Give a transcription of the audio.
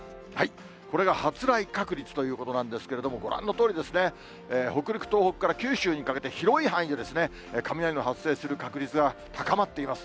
これが発雷確率ということなんですけれども、ご覧のとおりですね、北陸、東北から九州にかけて、広い範囲で雷の発生する確率が高まっています。